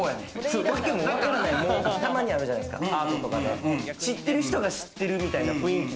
たまにあるじゃないですか、知ってる人が知ってるみたいな雰囲気。